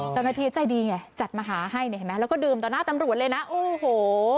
ตัวหน้าที่ใจดีไงจัดมาหาให้เนี่ยแล้วก็ดื่มตัวหน้าตำรวจเลยนะโอ้โห